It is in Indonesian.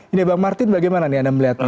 ini bang martin bagaimana nih anda melihatnya